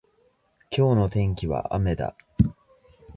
今日の天気は雨だ。